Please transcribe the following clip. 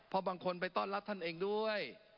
เพราะบางคนไปต้อนรับท่านเองด้วย